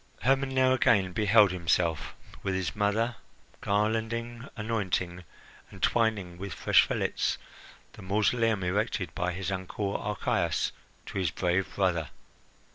Hermon now again beheld himself, with his mother, garlanding, anointing, and twining with fresh fillets the mausoleum erected by his uncle Archias to his brave brother.